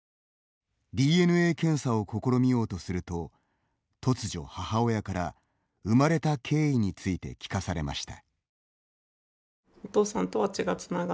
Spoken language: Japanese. ＤＮＡ検査を試みようとすると突如母親から、生まれた経緯について聞かされました。